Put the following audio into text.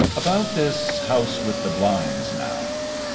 About this "House With the Blinds" now.